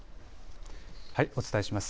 お伝えします。